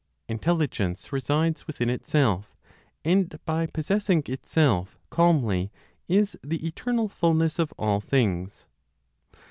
Intelligence resides within itself, and by possessing itself calmly, is the eternal fulness of all things.